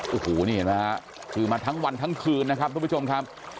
โอ้โหนี่เห็นไหมฮะคือมาทั้งวันทั้งคืนนะครับทุกผู้ชมครับ